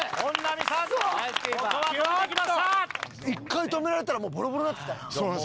１回止められたらもうボロボロになってきたな。